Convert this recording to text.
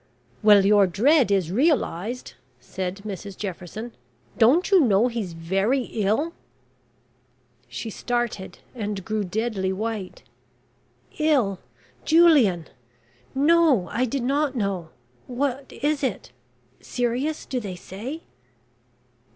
"Well, your dread is realised," said Mrs Jefferson. "Don't you know he's very ill?" She started, and grew deadly white. "Ill Julian! No; I did not know. What is it? serious do they say?"